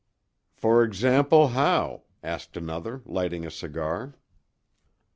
"For example, how?" asked another, lighting a cigar.